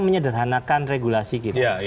menyederhanakan regulasi kita